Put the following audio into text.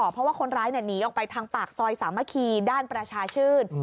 เพราะว่าคนร้ายหนีออกไปทางปากซอยสามัคคีด้านประชาชื่น